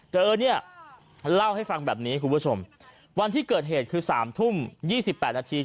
เธอเนี่ยเล่าให้ฟังแบบนี้คุณผู้ชมวันที่เกิดเหตุคือ๓ทุ่ม๒๘นาที